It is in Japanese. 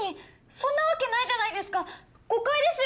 そんなわけないじゃないですか誤解ですよ